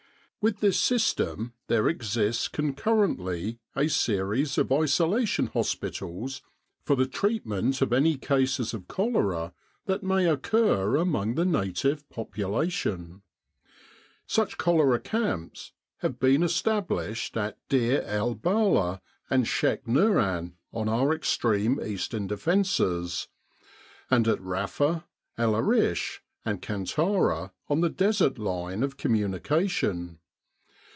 With this system there exists concurrently a series of isola tion hospitals for the treatment of any cases of cholera that may occur among the native population. Such 295 With the R.A.M.C. in Egypt cholera camps have been established at Deir el Belah and Sheik Nuran, on our extreme eastern defences, and at Rafa, El Arish, and Kantara, on the Desert line of communication.